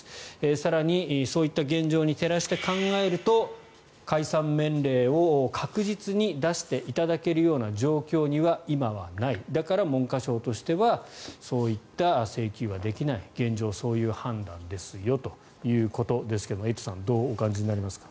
更に、そういった現状に照らして考えると解散命令を確実に出していただけるような状況には今はないだから文科省としてはそういった請求はできない現状、そういう判断ですよということですがエイトさんどうお感じになりますか。